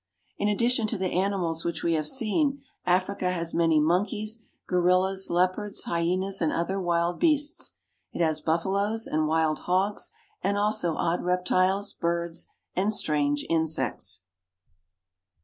In addition to the animals which we have seen, Africa has many monkeys, gorillas, leopards, hyenas, and other wild beasts. It has buffaloes and wild hogs, and also odd reptiles, birds, and strange insects.